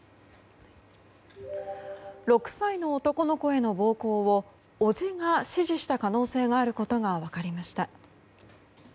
６歳の男の子への暴行を叔父が指示した可能性があることが分かりました。